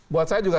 buat saya juga